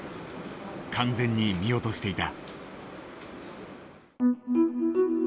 完全に見落としていた。